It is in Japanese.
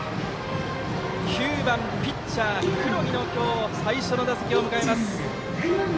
９番、ピッチャー黒木の今日最初の打席を迎えます。